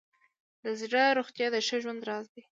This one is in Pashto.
د زړه روغتیا د ښه ژوند راز دی.